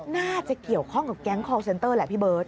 น่าจะเกี่ยวข้องกับแก๊งคอลเซนเตอร์แหละพี่เบิร์ต